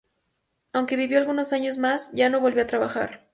Aunque vivió algunos años más, ya no volvió a trabajar.